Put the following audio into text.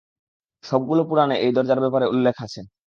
সবগুলো পুরাণে এই দরজার ব্যাপারে উল্লেখ আছে।